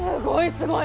すごい！